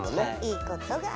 いいことがある。